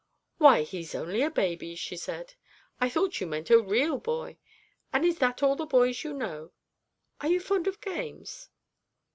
'Why, he's only a baby!' she said; 'I thought you meant a real boy. And is that all the boys you know? Are you fond of games?'